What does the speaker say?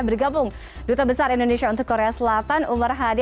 bergabung duta besar indonesia untuk korea selatan umar hadi